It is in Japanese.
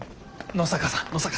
野坂さん